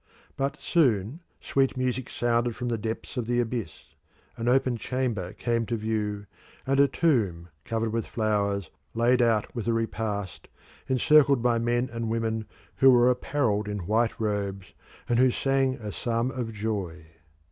But soon sweet music sounded from the depths of the abyss; an open chamber came to view, and a tomb covered with flowers, laid out with a repast, encircled by men and women who were apparelled in white robes, and who sang a psalm of joy.